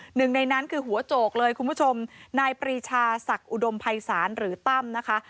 หนึ่งในนั้นคือหัวโจกเลยคุณผู้ชมนายปรีชาศักดิ์อุดมภัยศาลหรือตั้มนะคะ